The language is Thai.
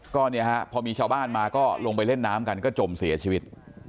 ก็เนี่ยฮะพอมีชาวบ้านมาก็ลงไปเล่นน้ำกันก็จมเสียชีวิต